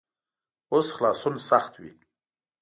اوس خلاصون سخت وي.